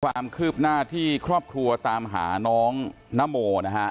ความคืบหน้าที่ครอบครัวตามหาน้องนโมนะฮะ